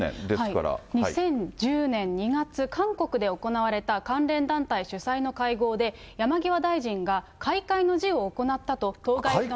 ２０１０年２月、韓国で行われた関連団体主催の会合で、山際大臣が、開会の辞を行ったと。